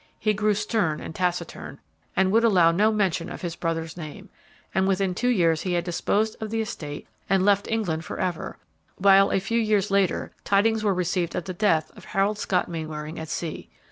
He grew stern and taciturn, and would allow no mention of his brother's name, and within two years he had disposed of the estate and left England forever; while a few years later tidings were received of the death of Harold Scott Mainwaring at sea.